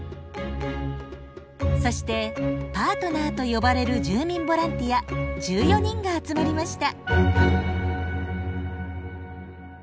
そしてパートナーと呼ばれる住民ボランティア１４人が集まりました。